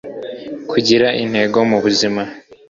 kugira intego mu buzima